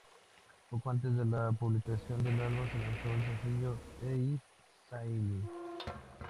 Poco antes de la publicación del álbum, se lanzó el sencillo "He is Sailing".